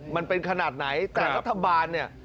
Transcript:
มันเป็นขนาดไหนแต่รัฐบาลเนี่ย